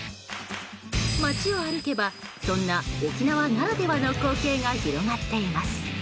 街を歩けばそんな沖縄ならではの光景が広がっています。